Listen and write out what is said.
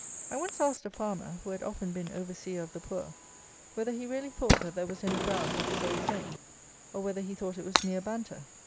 '" I once asked a farmer, who had often been overseer of the poor, whether he really thought that there was any ground for this old saying, or whether he thought it was mere banter?